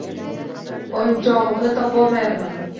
O`yinchog`imni topolmayapman